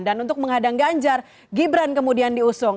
dan untuk mengadang ganjar gibran kemudian diusung